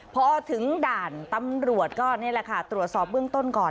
พอถึงด่านตำรวจก็นี่แหละค่ะตรวจสอบเบื้องต้นก่อน